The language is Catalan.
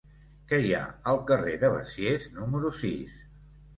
Què hi ha al carrer de Besiers número sis?